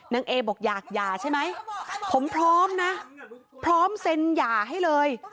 เอบอกอยากหย่าใช่ไหมผมพร้อมนะพร้อมเซ็นหย่าให้เลย